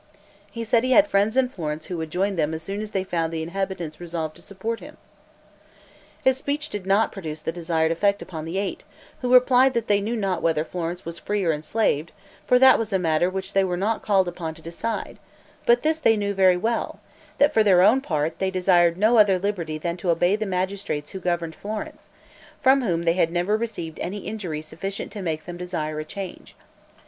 He said he had friends in Florence who would join them as soon as they found the inhabitants resolved to support him. His speech did not produce the desired effect upon the Eight, who replied that they knew not whether Florence was free or enslaved, for that was a matter which they were not called upon to decide; but this they knew very well, that for their own part, they desired no other liberty than to obey the magistrates who governed Florence, from whom they had never received any injury sufficient to make them desire a change.